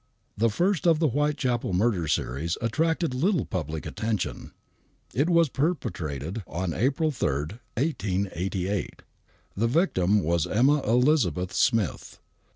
The first of the Whitechapel murder series attracted little public attention. It was perpetrated on April 3rd, 1888. The victim was Emma Elizabeth Smith.